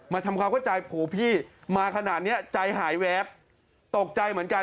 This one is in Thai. ทำความเข้าใจผูพี่มาขนาดนี้ใจหายแวบตกใจเหมือนกัน